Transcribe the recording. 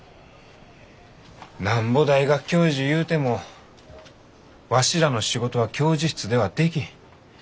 なんぼ大学教授ゆうてもわしらの仕事は教授室ではできん。